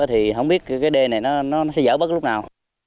thì không biết cái đê này nó sẽ dở bất lúc nào